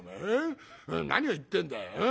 何を言ってんだよ。